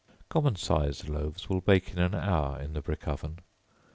Common sized loaves will bake in an hour in the brick oven.